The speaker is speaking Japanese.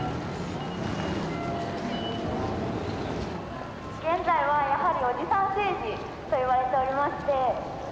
・現在はやはり「おじさん政治」と言われておりまして。